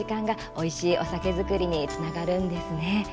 お酒造りにつながるんですね。